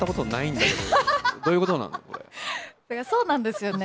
だから、そうなんですよね。